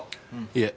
いえ。